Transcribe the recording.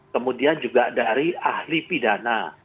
kemudian juga dari ahli pidana